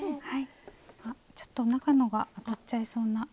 あちょっと中のがいっちゃいそうな。